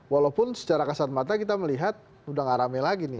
walaupun secara kasar mata kita melihat sudah tidak rame lagi nih